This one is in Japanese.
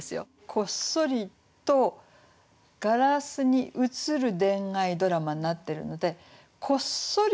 「こっそりとガラスに映る恋愛ドラマ」になってるので「こっそりと映る」